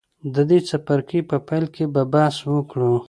د دې څپرکي په پیل کې به بحث وکړو.